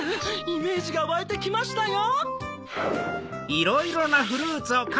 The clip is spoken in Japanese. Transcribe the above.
イメージがわいてきましたよ。